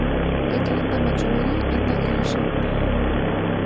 They gained the majority in the leadership.